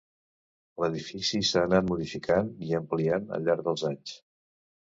L'edifici s'ha anat modificant i ampliant al llarg dels anys.